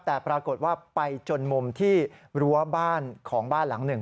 แต่ปรากฏว่าไปจนมุมที่รั้วบ้านของบ้านหลังหนึ่ง